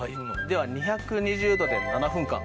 では２２０度で７分間。